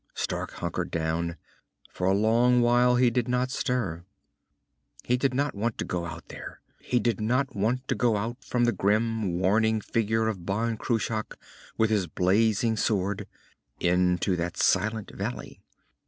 Stark hunkered down. For a long while he did not stir. He did not want to go out there. He did not want to go out from the grim, warning figure of Ban Cruach with his blazing sword, into that silent valley.